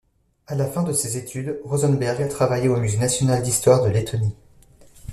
À la fin de ses études, Rozenbergs travaillait au Musée national d'Histoire de Lettonie.